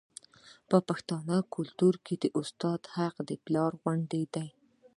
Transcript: د پښتنو په کلتور کې د استاد حق د پلار غوندې دی.